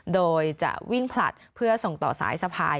โดยจะวิ่งผลัดเพื่อส่งต่อสายสะพาย